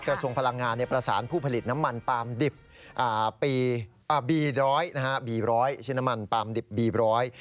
กระทรวงพลังงานประสานผู้ผลิตน้ำมันปาล์มดิบร้อยนะฮะบีร้อยชื่อน้ำมันปาล์มดิบบีบร้อย